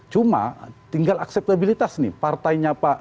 cuma tinggal akseptabilitas nih partainya pak